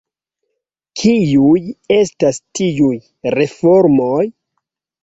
Kiuj estas tiuj reformoj?